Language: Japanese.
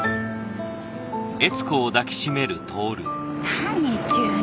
何急に。